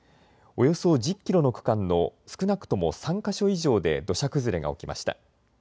およそ１０キロの区間の少なくとも３か所以上で土砂崩れが起きました。